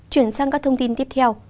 chuyển sang các thông tin tiếp theo